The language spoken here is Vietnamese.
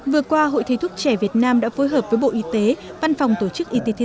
vừa qua hội thầy thuốc trẻ việt nam đã phối hợp với bộ y tế văn phòng tổ chức y tế thế